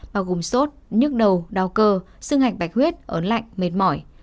bao gồm sốt nhức đầu đau cơ xương hạnh bạch huyết ớn lạnh mệt mỏi